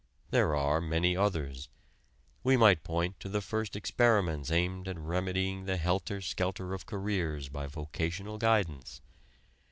There are many others. We might point to the first experiments aimed at remedying the helter skelter of careers by vocational guidance.